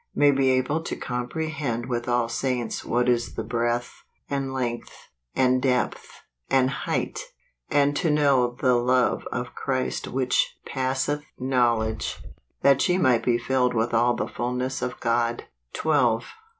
May be able to comprehend with all saints what is the breadth , and length , and depth , and height; And to know the love of Christ which passeth knowledge , that ye might be filled with all the full¬ ness of God" 54 MAY.